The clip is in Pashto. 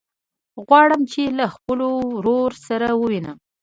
غواړم چې له خپل ورور سره ووينم.